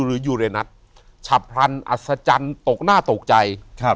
หรือยูเรนัทฉับพันธุ์อัศจรรย์ตกหน้าตกใจ